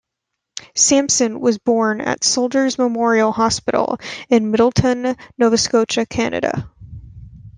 Sampson was born at Soldiers Memorial Hospital in Middleton, Nova Scotia, Canada.